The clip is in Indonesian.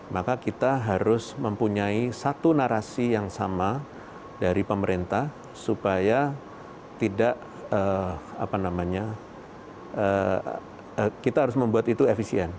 maka kita harus mempunyai satu narasi yang sama dari pemerintah supaya tidak apa namanya kita harus membuat itu efisien